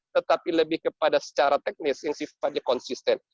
tetapi lebih kepada secara teknis yang sifatnya konsisten